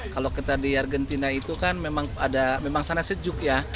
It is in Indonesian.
kalau kita di argentina itu kan memang ada memang sana sejuk ya